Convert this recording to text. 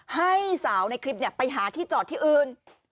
ให้สาวในคลิปไปหาที่จอดที่อื่น